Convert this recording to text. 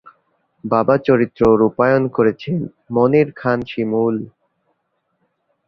বাবার চরিত্র রূপায়ণ করেছেন মনির খান শিমুল।